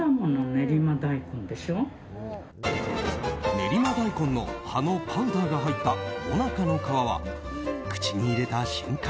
練馬大根の葉のパウダーが入った最中の皮は、口に入れた瞬間